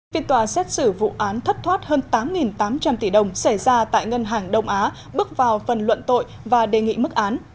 phiên tòa xét xử vụ án thất thoát hơn tám tám trăm linh tỷ đồng xảy ra tại ngân hàng đông á bước vào phần luận tội và đề nghị mức án